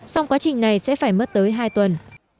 xong quá trình này sẽ phải mất tới hai tuần